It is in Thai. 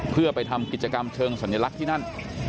เพื่อไปทำกิจกรรมเชิงสัญลักษณ์ที่นั่น